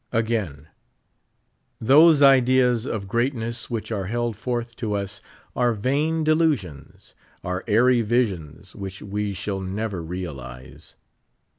Again : Those ideas of greatness which are held forth to us are vain delusions — are airy visions which we shall never realize.